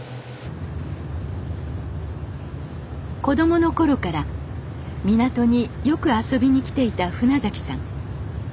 子供の頃から港によく遊びに来ていた船さん。